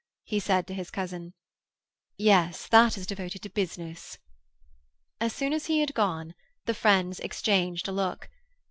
he said to his cousin. "Yes, that is devoted to business." As soon as he had gone, the friends exchanged a look.